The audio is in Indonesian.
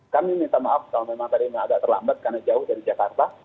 kami minta maaf kalau memang tadi agak terlambat karena jauh dari jakarta